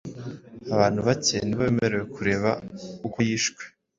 Abantu bake ni bo bemerewe kureba uko yishwe